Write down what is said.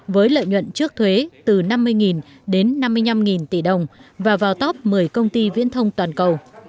với lợi nhuận trước thuế từ năm mươi đến năm mươi năm tỷ đồng và vào top một mươi công ty viễn thông toàn cầu